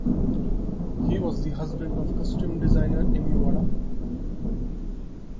He was the husband of costume designer Emi Wada.